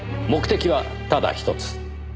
目的はただひとつ。